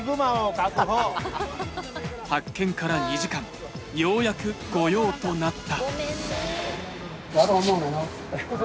発見から２時間、ようやく御用となった。